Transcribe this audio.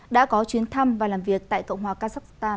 đã có chuyến thăm và làm việc tại cộng hòa kazakhstan